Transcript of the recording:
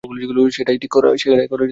সেটাই করা ঠিক হবে।